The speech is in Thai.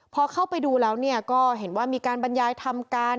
พอเข้าไปดูแล้วก็เห็นว่ามีการบรรยายทำการ